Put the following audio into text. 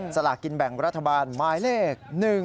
สลักกินแบ่งรัฐบาลหมายเลข๑๓๔๙๑๘